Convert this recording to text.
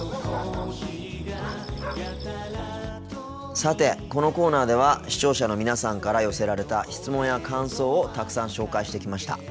さてこのコーナーでは視聴者の皆さんから寄せられた質問や感想をたくさん紹介してきました。